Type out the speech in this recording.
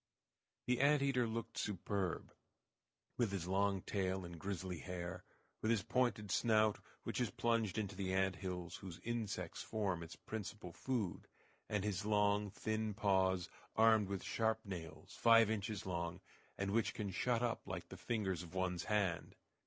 The ant eater looked superb, with his long tail and grizzly hair; with his pointed snout, which is plunged into the ant hills whose insects form its principal food; and his long, thin paws, armed with sharp nails, five inches long, and which can shut up like the fingers of one's hand.